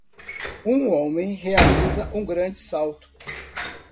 um homem realiza um grande salto.